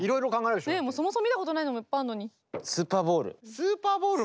そもそも見たことないのもいっぱいあるのに。